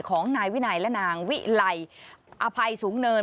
ของนายวินัยและนางวิไลอภัยสูงเนิน